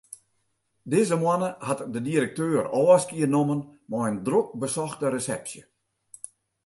Dizze moanne hat de direkteur ôfskie nommen mei in drok besochte resepsje.